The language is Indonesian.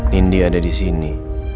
nindi ada di sini